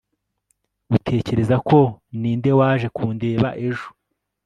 utekereza ko ninde waje kundeba ejo